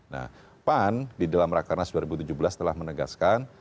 nah pan di dalam rakernas dua ribu tujuh belas telah menegaskan